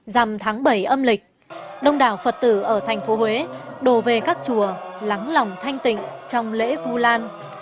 dằm tháng bảy âm lịch đông đảo phật tử ở thành phố huế đổ về các chùa lắng lòng thanh tịnh trong lễ vu lan